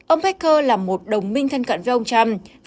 ông pecker là một đồng minh thân cận với ông trump